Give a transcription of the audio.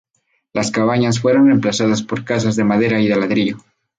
Las cabañas fueron reemplazadas por casas de madera y de ladrillo.